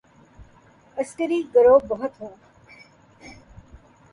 عسکری گروہ بہت ہوں۔